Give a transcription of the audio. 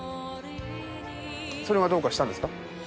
それがどうかしたんですか？